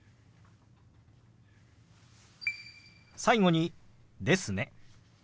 最後に「ですね」。